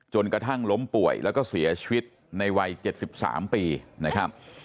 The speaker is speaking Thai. จนกระทั่งล้มป่วยแล้วก็เสียชีวิตในวัย๗๓ปีนะครับ